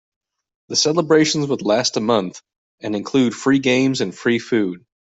The celebrations would last a month and include free games and free food.